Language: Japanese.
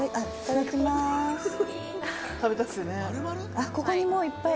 あっここにもういっぱい！